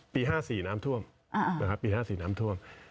ปี๕๔น้ำท่วมนะครับปี๕๔น้ำท่วม